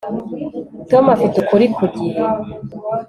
Tom afite ukuri ku gihe